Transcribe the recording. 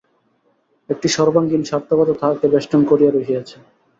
একটি সর্বাঙ্গীণ সার্থকতা তাহাকে বেষ্টন করিয়া রহিয়াছে।